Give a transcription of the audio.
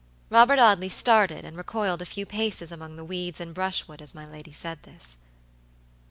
Robert Audley started and recoiled a few paces among the weeds and brushwood as my lady said this.